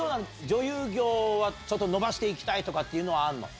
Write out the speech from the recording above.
女優業はちょっと伸ばして行きたいとかっていうのはあるの？